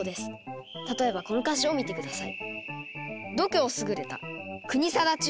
例えばこの歌詞を見て下さい。